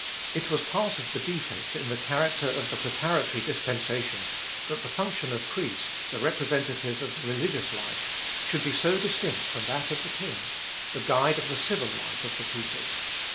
It was part of the defect in the character of the preparatory dispensation that the function of priest, the representative of the religious life, should be so distinct from that of the king, the guide of the civil life of the people.